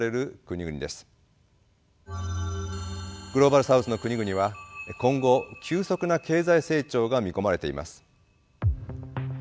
グローバル・サウスの国々は今後急速な経済成長が見込まれています。